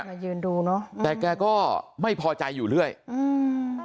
มายืนดูเนอะแต่แกก็ไม่พอใจอยู่เรื่อยอืม